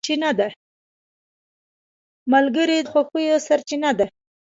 ملګری د خوښیو سرچینه ده